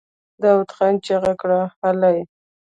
داوود خان چيغه کړه! هلئ!